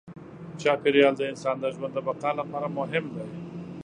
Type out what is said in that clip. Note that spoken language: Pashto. چاپېریال د انسان د ژوند د بقا لپاره مهم دی.